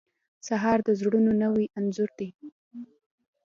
سهار د زړونو نوی انځور دی.